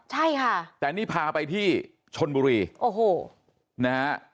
ใช่ค่ะแต่นี่พาไปที่ชนบุรีโอ้โหนะฮะ